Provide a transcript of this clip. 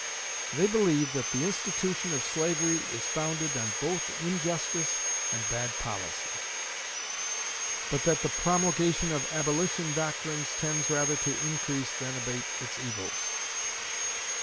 They believe that the institution of slavery is founded on both injustice and bad policy; but that the promulgation of abolition doctrines tends rather to increase than abate its evils.